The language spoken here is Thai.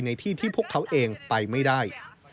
ในที่ที่พวกเขาเองไปไม่ได้